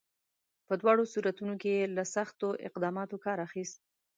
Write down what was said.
په دواړو صورتونو کې یې له سختو اقداماتو کار اخیست.